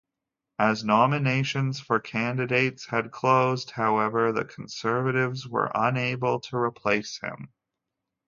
As nominations for candidates had closed, however, the Conservatives were unable to replace him.